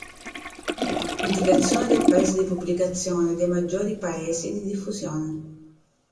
Indicazione del paese di pubblicazione e dei maggiori paesi di diffusione